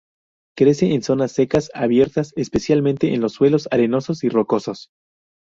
Crece en zonas secas y abiertas, especialmente en los suelos arenosos y rocosos.